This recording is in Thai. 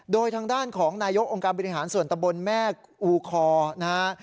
โดยทางด้านของนายกองค์การบริหารส่วนตะบนแม่อูคอนะฮะ